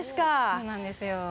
そうなんですよ。